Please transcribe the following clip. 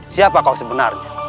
siapa kau sebenarnya